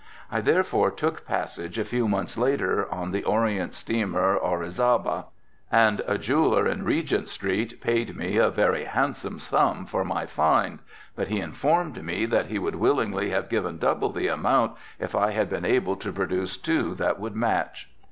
I therefore took passage a few months later on the Orient steamer, Orizaba, and a jeweler in Regent street paid me a very handsome sum for my find, but he informed me that he would willingly have given double the amount if I had been able to produce two that would match.